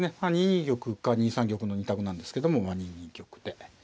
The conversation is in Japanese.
２二玉か２三玉の２択なんですけどもまあ２二玉で。